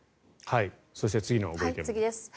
そして、次のご意見です。